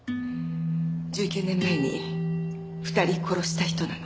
１９年前に２人殺した人なの。